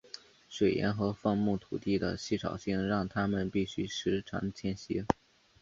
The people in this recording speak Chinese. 水源和放牧土地的稀少性让他们必须时常迁徙。